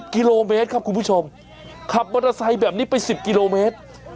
กิโลเมตรครับคุณผู้ชมขับมอเตอร์ไซค์แบบนี้ไป๑๐กิโลเมตร